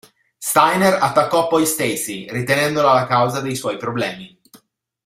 Steiner attaccò poi Stacy, ritenendola la causa dei suoi problemi.